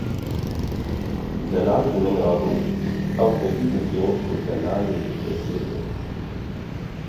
Zelal ji min re got ew hêvî dike ku Delalê bi tevdîr be.